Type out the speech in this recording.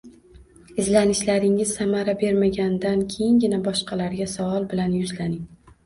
Izlanishlaringiz samara bermagandan keyingina boshqalarga savol bilan yuzlaning